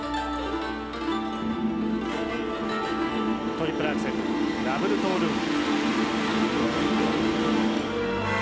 トリプルアクセルダブルトウループ。